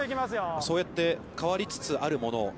そうやって変わりつつあるもの